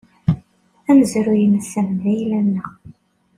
Amezruy-nsen, d ayla-nneɣ.